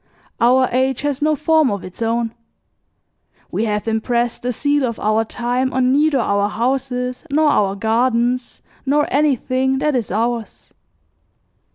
Our age has no form of its own. We have impressed the seal of our time on neither our houses nor our gardens nor anything that is ours.